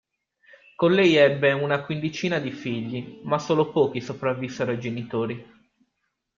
Con lei ebbe una quindicina di figli, ma solo pochi sopravvissero ai genitori.